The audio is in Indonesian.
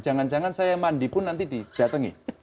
jangan jangan saya mandi pun nanti didatangi